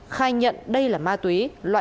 khai nhận đây là ma túy